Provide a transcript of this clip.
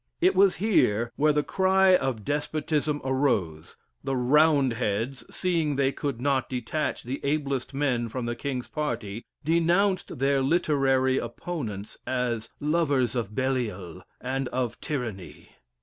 It was here where the cry of despotism arose; the "Round heads" seeing they could not detach the ablest men from the King's party, denounced their literary opponents as "lovers of Belial, and of tyranny."